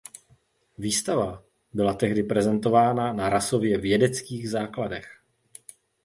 Výstava byla tedy prezentována na rasově „vědeckých“ základech.